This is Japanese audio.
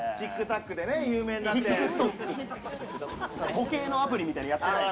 時計のアプリみたいなのやってないです。